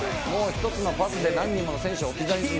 １つのパスで何人もの選手を置き去りにする。